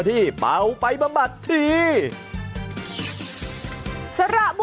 ที่ตายโอ๊ย